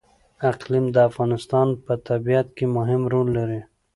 اقلیم د افغانستان په طبیعت کې مهم رول لري.